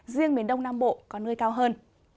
riêng miền đông nam bộ có nơi cao hơn